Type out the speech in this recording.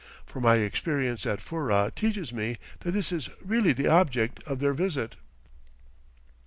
For my experience at Furrah teaches me that this is really the object of their visit.